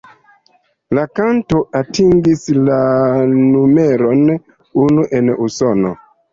La kanto atingis la numeron unu en Usono.